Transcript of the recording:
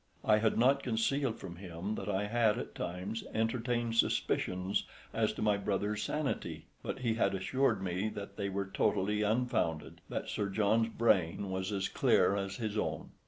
I had not concealed from him that I had at times entertained suspicions as to my brother's sanity; but he had assured me that they were totally unfounded, that Sir John's brain was as clear as his own.